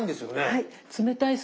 はい。